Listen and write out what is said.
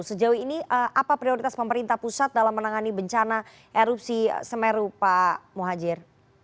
sejauh ini apa prioritas pemerintah pusat dalam menangani bencana erupsi semeru pak muhajir